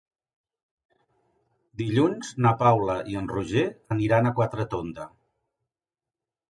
Dilluns na Paula i en Roger aniran a Quatretonda.